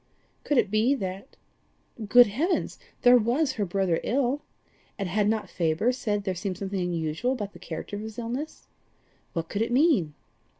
Could it be that ? Good heavens! There was her brother ill! And had not Faber said there seemed something unusual about the character of his illness? What could it mean?